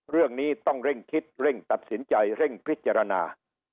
เรื่องนี้ต้องเร่งคิดเร่งตัดสินใจเร่งพิจารณา